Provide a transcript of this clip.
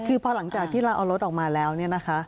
คือพอหลังจากที่เราเอารถออกมาแล้วเนี่ยนะคะ